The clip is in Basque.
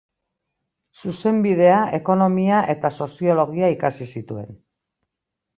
Zuzenbidea, Ekonomia eta Soziologia ikasi zituen.